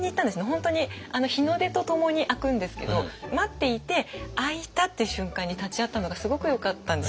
本当に日の出とともに開くんですけど待っていて開いたっていう瞬間に立ち会ったのがすごくよかったんです。